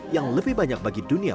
yang lebih banyak bagi dunia